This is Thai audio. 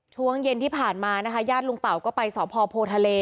ช่วงเย็นที่ผ่านมานะคะญาติลุงเต่าก็ไปสพโพทะเล